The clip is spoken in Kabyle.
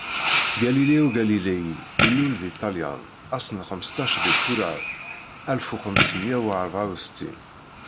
Galileo Galilei ilul di Ṭelyan, ass n xmesṭac di furar alef u xemsemya u rebεa u settin.